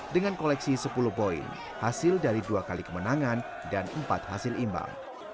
dengan koleksi sepuluh poin hasil dari dua kali kemenangan dan empat hasil imbang